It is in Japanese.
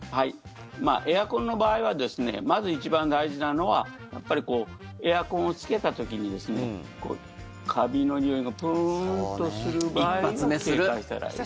エアコンの場合はまず一番大事なのはやっぱりエアコンをつけた時にカビのにおいがプーンとする場合は警戒したらいいですね。